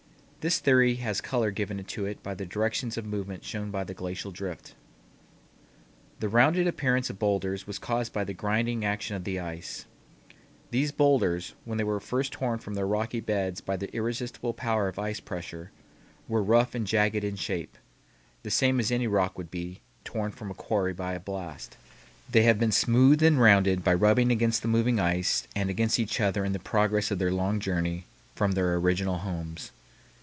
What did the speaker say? This theory has color given to it by the directions of movement shown by the glacial drift. The rounded appearance of bowlders was caused by the grinding action of the ice. These bowlders, when they were first torn from their rocky beds by the irresistible power of ice pressure, were rough and jagged in shape, the same as any rock would be, torn from a quarry by a blast. They have been smoothed and rounded by rubbing against the moving ice and against each other in the progress of their long journey from their original homes.